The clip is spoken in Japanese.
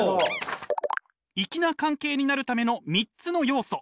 いきな関係になるための３つの要素。